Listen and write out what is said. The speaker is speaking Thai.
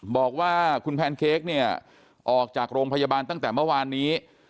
บอกว่าคุณแพนเค้กเนี่ยออกจากโรงพยาบาลตั้งแต่เมื่อวานนี้